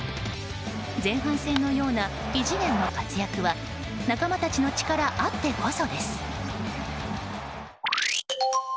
前半戦のような異次元の活躍は仲間たちの力あってこそです。